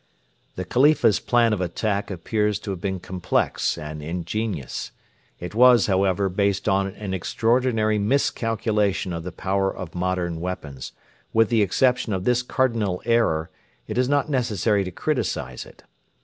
The Khalifa's plan of attack appears to have been complex and ingenious. It was, however, based on an extraordinary miscalculation of the power of modern weapons; with the exception of this cardinal error, it is not necessary to criticise it.